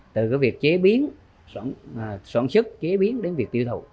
từ việc chế biến sản xuất chế biến đến việc tiêu thụ